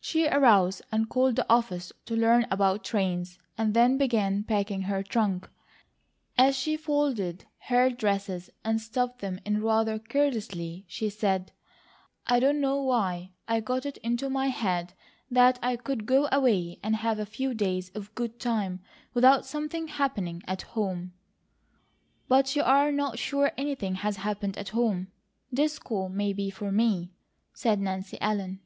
She arose and called the office to learn about trains, and then began packing her trunk. As she folded her dresses and stuffed them in rather carelessly she said: "I don't know why I got it into my head that I could go away and have a few days of a good time without something happening at home." "But you are not sure anything has happened at home. This call may be for me," said Nancy Ellen.